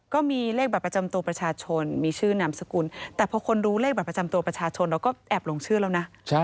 ก็มีเลขบัตรประจำตัวประชาชนมีชื่อนามสกุลแต่พอคนรู้เลขบัตรประจำตัวประชาชนเราก็แอบลงชื่อแล้วนะ